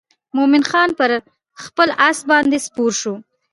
مومن خان پر خپل آس باندې سپور شو.